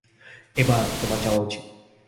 এবার, তোমার যাওয়া উচিত।